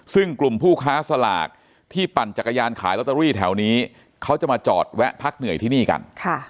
ซึ่งกลุ่มผู้ค้าสลากที่ปั่นจักรยานขายลอตเตอรี่แถวนี้เขาจะมาจอดแวะพักเหนื่อยที่นี่กัน